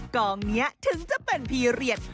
กองนี้ถึงจะเป็นพีเรียส